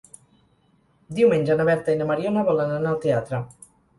Diumenge na Berta i na Mariona volen anar al teatre.